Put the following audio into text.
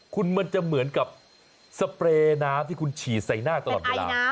คุณมันจะเหมือนกับสเปรย์น้ำที่คุณฉีดใส่หน้าตลอดเวลา